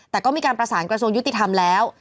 แต่ก็มีการประสานกระทรวงยุติธรรมแล้ว